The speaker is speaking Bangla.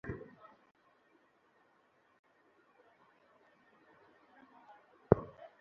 তিকরিত শহরে আত্মঘাতী হামলা চালিয়ে নয়জন শিয়া যোদ্ধাকে হত্যা করা হয়।